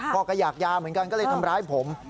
พ่อก็อยากยาเหมือนกันก็เลยทำร้ายผม